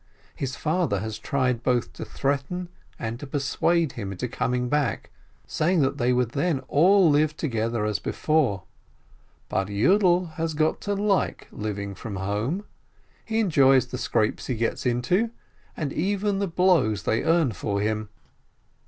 His father has tried both to threaten and to persuade him into coming back, saying they would then all live together as before, but Yiidel has got to like living from home, he enjoys the scrapes he gets into, and even the blows they earn for him.